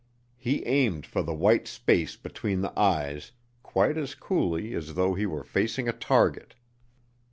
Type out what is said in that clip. He aimed for the white space between the eyes quite as coolly as though he were facing a target.